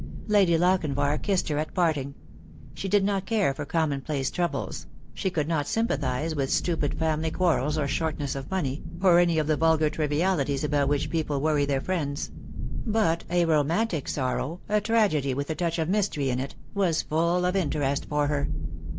Lady Lochinvar kissed her at parting. She did not care for commonplace troubles ; she could not sympathise with stupid family quarrels or shortness of money, or any of the vulgar trivialities about which people worry their friends ; but a romantic sorrow, a tragedy with a touch of mystery in it, was full of interest for her.